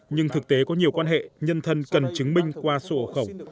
nhưng thực tế có nhiều quan hệ nhân thân cần chứng minh qua sổ hộ khẩu